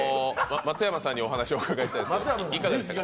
松山さんにお話をお伺いしたいですね、いかがですか？